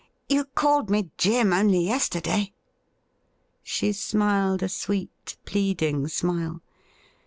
You called me Jim only yesterday.' She smiled a sweet, pleading smile.